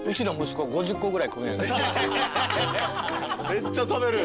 めっちゃ食べる。